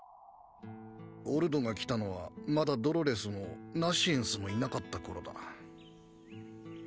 オルドが来たのはまだドロレスもナシエンスもいなかった頃だ